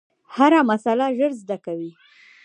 هره مسئله ژر زده کوي.